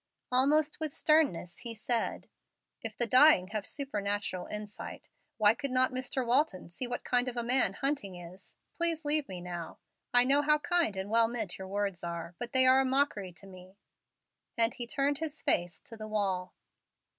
Almost with sternness he said, "If the dying have supernatural insight, why could not Mr. Walton see what kind of a man Hunting is? Please leave me now. I know how kind and well meant your words are, but they are mockery to me;" and he turned his face to the wall.